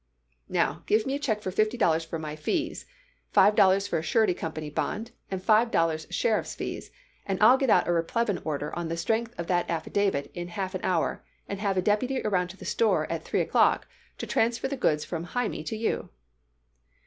"Now give me a check for fifty dollars for my fees, five dollars for a surety company bond, and five dollars sheriff's fees, and I'll get out a replevin order on the strength of that affidavit in half an hour, and have a deputy around to the store at three o'clock to transfer the goods from Hymie to you."